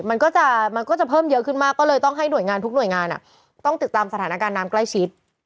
มันก็จะมันก็จะเพิ่มเยอะขึ้นมากก็เลยต้องให้หน่วยงานทุกหน่วยงานต้องติดตามสถานการณ์น้ำใกล้ชิด